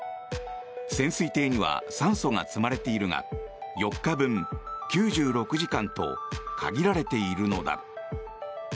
潜水艇には酸素が積まれているが４日分、９６時間と限られているのだ。